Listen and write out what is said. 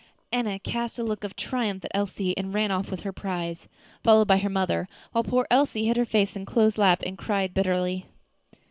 Enna cast a look of triumph at Elsie, and ran off with her prize, followed by her mother, while poor Elsie hid her face in Chloe's lap and cried bitterly.